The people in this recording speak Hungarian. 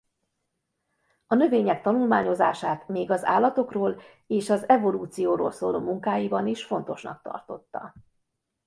A növények tanulmányozását még az állatokról és az evolúcióról szóló munkáiban is fontosnak tartotta.